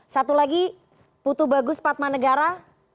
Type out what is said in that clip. satu lagi putu bagus padma negara